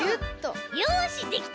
よしできた！